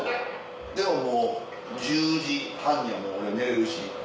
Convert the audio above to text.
でももう１０時半には俺寝れるし。